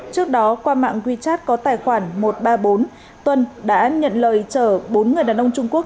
trước đó qua mạng wechat có tài khoản một trăm ba mươi bốn tuân đã nhận lời chở bốn người đàn ông trung quốc